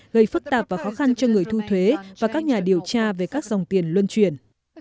gây phức tạp và khó khăn cho người thu thuế và các nhà điều tra về các dòng tiền luân chuyển